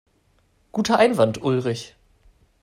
Guter Einwand, Ulrich.